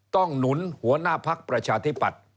หนุนหัวหน้าพักประชาธิปัตย์